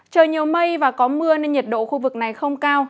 trời nhiều mây và có mưa nên nhiệt độ khu vực này không cao